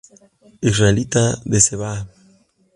Israelita de Cba.